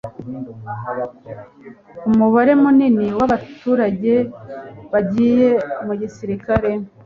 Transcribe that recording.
Umubare munini wabaturage bagiye mu gisirikare.